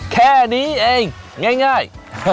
แค่นี้เองง่าย